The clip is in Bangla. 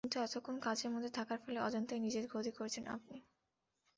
কিন্তু এতক্ষণ কাজের মধ্যে থাকার ফলে অজান্তেই নিজের ক্ষতি করছেন আপনি।